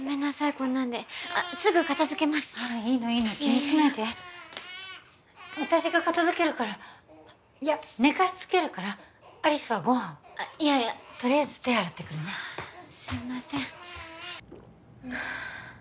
こんなんであっすぐ片づけますいいのいいの気にしないで私が片づけるからいや寝かしつけるから有栖はごはんをいやいやとりあえず手洗ってくるねすいません